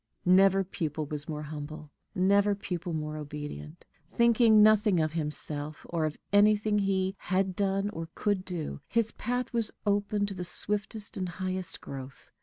Never pupil was more humble, never pupil more obedient; thinking nothing of himself or of anything he had done or could do, his path was open to the swiftest and highest growth.